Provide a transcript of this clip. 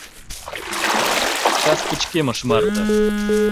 Кас пычкемыш марте